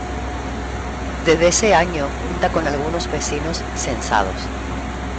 Desde ese año cuenta con algunos vecinos censados.